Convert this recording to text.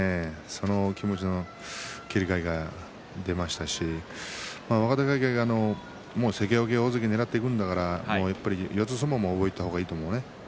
その気持ちの切り替えが出ましたし、若隆景は関脇大関をねらっていくんだから四つ相撲も覚えた方がいいですね。